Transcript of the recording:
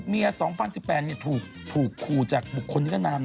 เมีย๒๐๑๘ถูกคูจากคนเนี้ยนาน